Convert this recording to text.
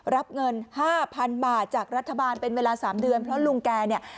รับเงิน๕๐๐๐บาทจากรัฐบาลเป็นเวลา๓เดือนเพราะลุงแกเนี่ย